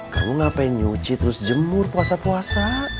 kamu ngapain nyuci terus jemur puasa puasa